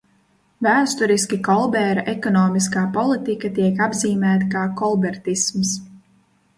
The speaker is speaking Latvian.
Vēsturiski Kolbēra ekonomiskā politika tiek apzīmēta kā kolbertisms.